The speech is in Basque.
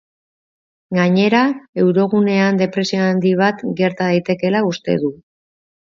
Gainera, eurogunean depresio handi bat gerta daitekeela uste du.